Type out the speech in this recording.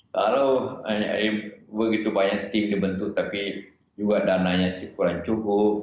lalu begitu banyak tim dibentuk tapi juga dananya kurang cukup